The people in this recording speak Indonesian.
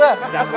udah bener lu